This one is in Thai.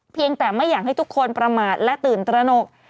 เพียงแต่ไม่อยากให้ทุกคนประมาทและตื่นตระหนก